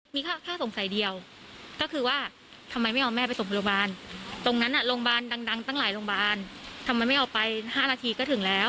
มีแค่สงสัยเดียวก็คือว่าทำไมไม่เอาแม่ไปส่งโรงพยาบาลตรงนั้นโรงพยาบาลดังตั้งหลายโรงพยาบาลทำไมไม่เอาไป๕นาทีก็ถึงแล้ว